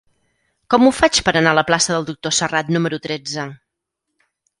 Com ho faig per anar a la plaça del Doctor Serrat número tretze?